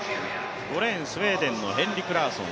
５レーンがスウェーデンのヘンリク・ラーソン。